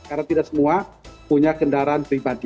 karena tidak semua punya kendaraan pribadi